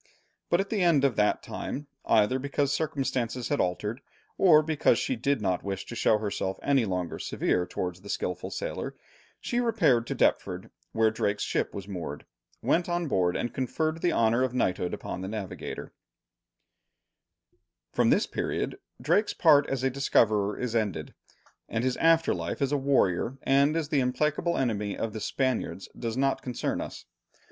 But at the end of that time, either because circumstances had altered, or because she did not wish to show herself any longer severe towards the skilful sailor, she repaired to Deptford where Drake's ship was moored, went on board, and conferred the honour of knighthood upon the navigator. [Illustration: Elizabeth knighting Drake.] From this period Drake's part as a discoverer is ended, and his after life as a warrior and as the implacable enemy of the Spaniards does not concern us.